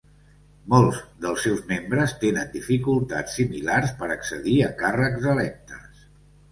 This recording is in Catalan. Molts dels seus membres tenen dificultats similars per accedir a càrrecs electes.